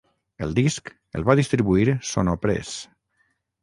El disc el va distribuir Sonopresse.